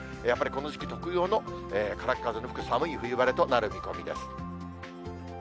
やっぱりこの時期特有の、空っ風の吹く寒い冬晴れとなる見込みです。